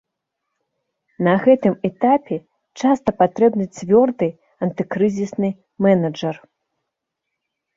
На гэтым этапе часта патрэбны цвёрды антыкрызісны мэнэджар.